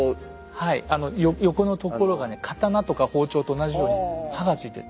横のところがね刀とか包丁と同じように刃がついてる。